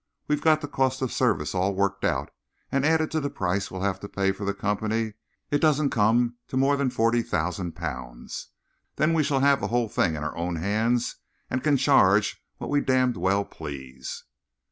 "We've got the cost of service all worked out, and, added to the price we'll have to pay for the Company, it don't come to more than forty thousand pounds. Then we shall have the whole thing in our own hands and can charge what we damned well please."